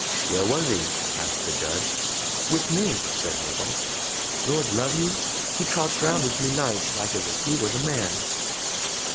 "Where was he?" asked the Judge. "With me," said Miggles. "Lord love you; he trots round with me nights like as if he was a man."